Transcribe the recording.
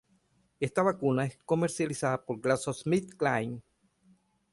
Esta vacuna es comercializada por GlaxoSmithKline.